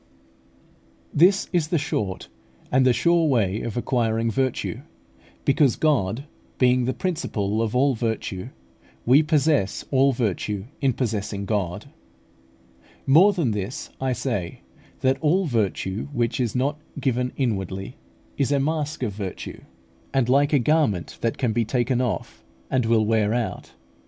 This is the short and the sure way of acquiring virtue; because, God being the principle of all virtue, we possess all virtue in possessing God. More than this, I say that all virtue which is not given inwardly is a mask of virtue, and like a garment that can be taken off, and will wear out.